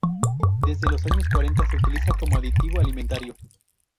Desde los años cuarenta se utiliza como aditivo alimentario.